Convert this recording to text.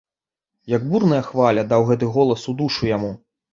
Як бурная хваля, даў гэты голас у душу яму.